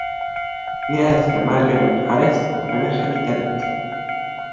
მდინარის მარჯვენა მხარეს ქვემეხები დადგეს.